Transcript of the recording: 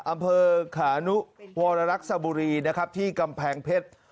อำเภอขานุวรรรักษบุรีนะครับที่กำแพงเพชร